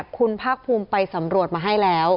คุณภาคภูมิไปสำรวจมาให้แล้ว